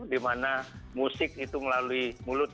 dimana musik itu melalui mulut